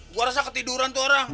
gue rasa ketiduran itu orang